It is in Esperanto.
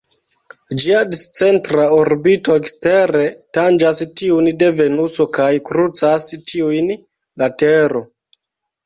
Ĝia discentra orbito ekstere tanĝas tiun de Venuso kaj krucas tiujn la Tero.